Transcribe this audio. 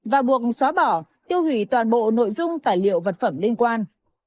và buộc xóa bỏ tiêu hủy toàn bộ nội dung tài liệu vật phẩm liên quan